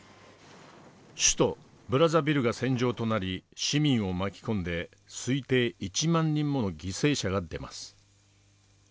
首都ブラザビルが戦場となり市民を巻き込んで推定１万人もの犠牲者が出ます。